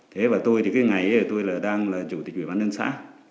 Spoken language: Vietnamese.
thế và tôi thì cái ngày tôi là đang là chủ tịch ủy ban nhân xã